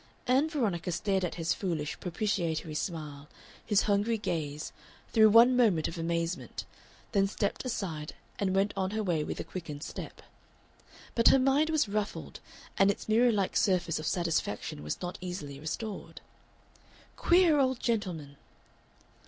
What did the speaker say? Ann Veronica stared at his foolish, propitiatory smile, his hungry gaze, through one moment of amazement, then stepped aside and went on her way with a quickened step. But her mind was ruffled, and its mirror like surface of satisfaction was not easily restored. Queer old gentleman!